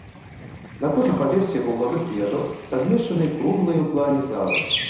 На кожным паверсе вуглавых вежаў размешчаныя круглыя ў плане залы.